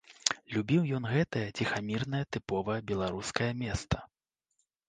Любіў ён гэтае ціхамірнае тыповае беларускае места.